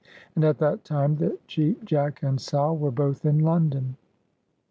And at that time the Cheap Jack and Sal were both in London.